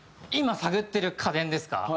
今探ってる家電ですか？